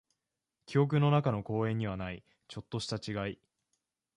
記憶の中の公園にはない、ちょっとした違い。